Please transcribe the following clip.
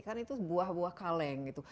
karena itu buah buah kaleng gitu